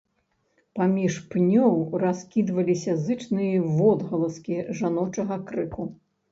Паміж пнёў раскідваліся зычныя водгаласкі жаночага крыку.